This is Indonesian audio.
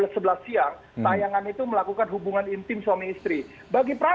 sebetulnya nanti skemanya seperti apa